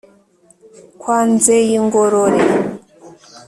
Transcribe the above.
kwa nzeyingorore